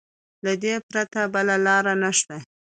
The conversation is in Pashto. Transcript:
له دې پرته بله لاره نشته.